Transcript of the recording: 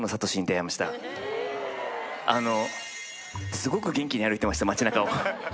すごく元気に歩いてました、街なかを。